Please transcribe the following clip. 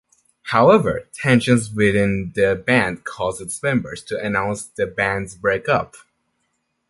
However, tensions within the band caused its members to announce the band's break up.